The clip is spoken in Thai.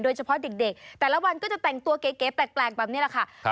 โดยเฉพาะเด็กแต่ละวันก็จะแต่งตัวเก๋แปลกแบบนี้แหละค่ะ